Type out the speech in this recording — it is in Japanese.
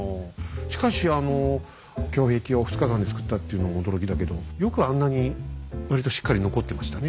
しかし胸壁を２日間で造ったっていうのも驚きだけどよくあんなに割としっかり残ってましたね